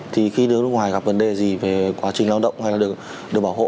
thì khi nước ngoài gặp vấn đề gì về quá trình lao động hay là được bảo hộ